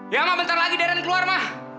ya ma bentar lagi darang keluar ma